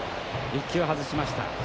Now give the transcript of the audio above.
１球外しました。